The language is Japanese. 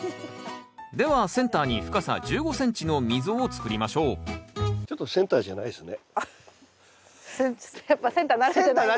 ではセンターに深さ１５ｃｍの溝を作りましょうセンター慣れなかった？